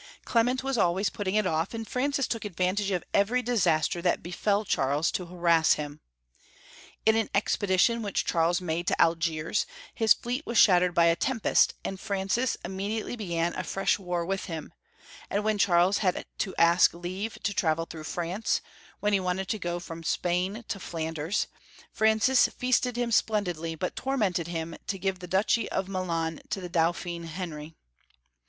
Clement was al* ways putting it off, and Francis took advantage of every disaster that befell Charles to harass him. In an expedition which Charles made to Algiers, his fleet was shattered by a tempest, and Francis immediately began a fresh war with him ; and when Charles had to ask leave to travel through France, when he wanted to go from Spain to Flan ders, Francis feasted him splendidly, but tormented him to give the duchy of Milan to the Dauphin Henry.